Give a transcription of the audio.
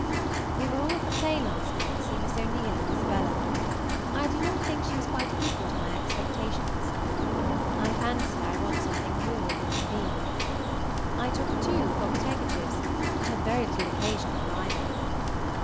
We were all at the play last night to see Miss O'Neil in "Isabella." I do not think she was quite equal to my expectations. I fancy I want something more than can be. I took two pocket handkerchiefs, but had very little occasion for either.